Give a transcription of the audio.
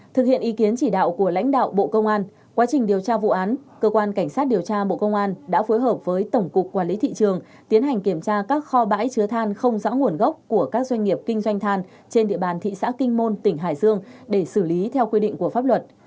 thực hiện ý kiến chỉ đạo của lãnh đạo bộ công an quá trình điều tra vụ án cơ quan cảnh sát điều tra bộ công an đã phối hợp với tổng cục quản lý thị trường tiến hành kiểm tra các kho bãi chứa than không rõ nguồn gốc của các doanh nghiệp kinh doanh than trên địa bàn thị xã kinh môn tỉnh hải dương để xử lý theo quy định của pháp luật